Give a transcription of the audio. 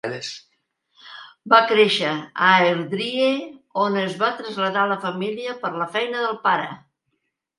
Va créixer a Airdrie, on es va traslladar la família per la feina del pare.